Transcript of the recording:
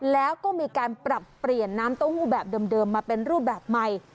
แล้วก็มีการปรับเปลี่ยนน้ำเต้าหู้แบบเดิมมาเป็นรูปแบบใหม่